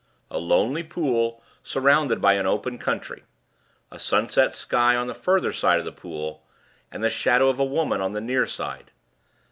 A lonely pool, surrounded by an open country; a sunset sky on the further side of the pool; and the shadow of a woman on the near side.